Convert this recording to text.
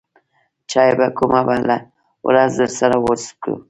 چاى به کومه بله ورځ درسره وڅکم.